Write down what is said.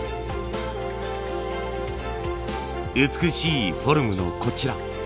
美しいフォルムのこちら。